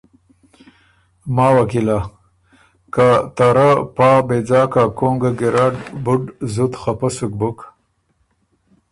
ماوه کی له، که ته رۀ پا يېځاکه کونګه ګیرډ بُډ زُت خپۀ سُک بُک،